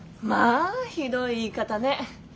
まあひどい言い方ね。